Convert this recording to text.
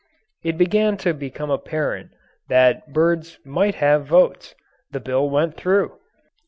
It began to become apparent that birds might have votes; the bill went through.